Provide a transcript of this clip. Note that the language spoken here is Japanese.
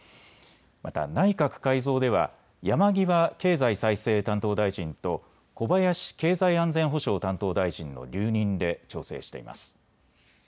また内閣改造では山際経済再生担当大臣と小林経済安全保障担当大臣の留任で調整しています。